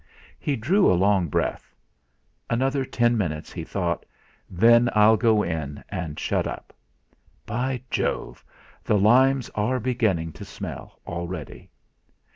He drew a long breath. 'Another ten minutes,' he thought, 'then I'll go in and shut up. By Jove! The limes are beginning to smell already!'